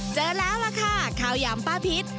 เจอแล้วล่ะค่ะข้าวยำป้าพิษ